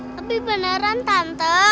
tapi beneran tante